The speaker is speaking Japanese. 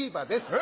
え？